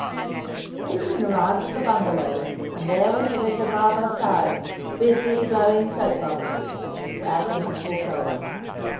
They soon arrived at the Bungalow, and there was the little Baba Sahib, busily blowing soap bubbles, as Mr. Atom had foretold.